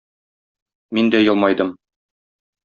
Мин дә елмайдым.